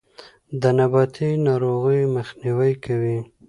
د نباتي ناروغیو مخنیوی کوي.